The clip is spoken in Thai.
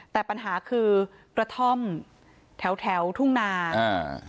แต่ปัญหาคือกระท่อมแถวทุ่งนาน